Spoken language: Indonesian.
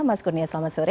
mas kurnia selamat sore